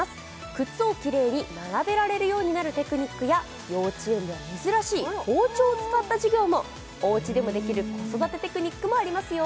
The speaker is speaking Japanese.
靴をキレイに並べられるようになるテクニックや幼稚園では珍しい包丁を使った授業もおうちでもできる子育てテクニックもありますよ